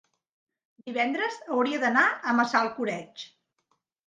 divendres hauria d'anar a Massalcoreig.